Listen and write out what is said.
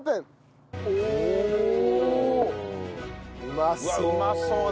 うまそう！